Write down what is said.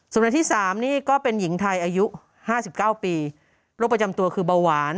ระดับที่๓นี่ก็เป็นหญิงไทยอายุ๕๙ปีโรคประจำตัวคือเบาหวาน